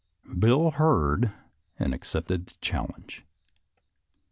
Bill heard and accepted the challenge.